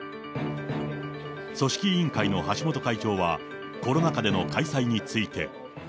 組織委員会の橋本会長は、コロナ禍での開催について。